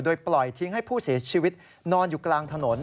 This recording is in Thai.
โดยปล่อยทิ้งให้ผู้เสียชีวิตนอนอยู่กลางถนน